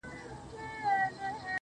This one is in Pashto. غزل ژړيږې عبادت کړي راته داسې وايي_